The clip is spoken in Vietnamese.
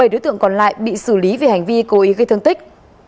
bảy đối tượng còn lại bị xử lý về hành vi cố ý gây thương tích